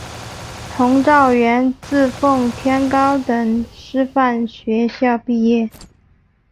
佟兆元自奉天高等师范学校毕业。